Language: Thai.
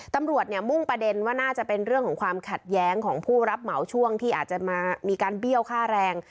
ตำรวจเนี่ยมุ่งประเด็นว่าน่าจะเป็นเรื่องของความขัดแย้งของผู้รับเหมาช่วงที่อาจจะมามีการเบี้ยวค่าแรง